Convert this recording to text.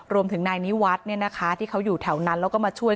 รวมถึงนายนิวัฒน์เนี่ยนะคะที่เขาอยู่แถวนั้นแล้วก็มาช่วย